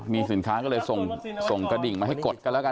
มีสินค้าก็เลยส่งกระดิ่งมาให้กดกันแล้วกัน